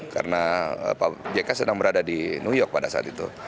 karena pak jk sedang berada di new york pada saat itu